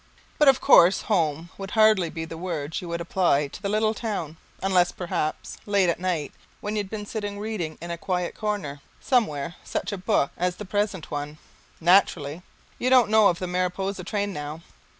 But of course "home" would hardly be the word you would apply to the little town, unless perhaps, late at night, when you'd been sitting reading in a quiet corner somewhere such a book as the present one. Naturally you don't know of the Mariposa train now.